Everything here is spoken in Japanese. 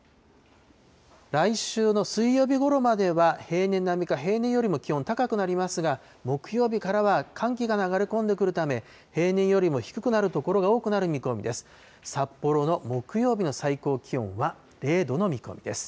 来週の水曜日ごろまでは、平年並みか平年よりも気温高くなりますが、木曜日からは寒気が流れ込んでくるため、平年よりも低くなる所が多くなる見込みです。